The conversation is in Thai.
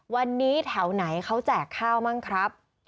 วันนี้แถวไหนเขาแจกข้าวบ้างครับ